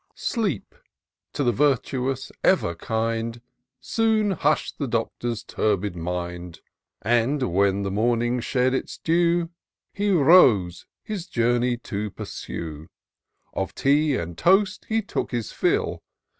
LEEP, to the virtuous ever kind^ Soon hush'd the Doctor's turbid miiid^ And, when the morning shed its dew, He 'rose his journey to pursue. Of tea and toast he took his fill.